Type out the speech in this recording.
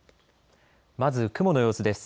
まず雲の様子です。